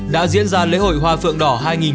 đã diễn ra lễ hội hoa phượng đỏ